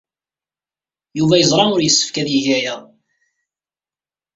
Yuba yeẓra ur yessefk ad yeg aya.